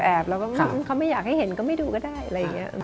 แล้วก็เขาไม่อยากให้เห็นก็ไม่ดูก็ได้อะไรอย่างนี้